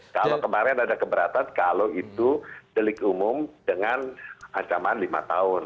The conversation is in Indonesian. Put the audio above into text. kalau kemarin ada keberatan kalau itu delik umum dengan ancaman lima tahun